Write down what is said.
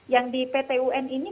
yang di pt un ini